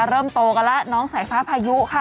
เริ่มโตกันแล้วน้องสายฟ้าพายุค่ะ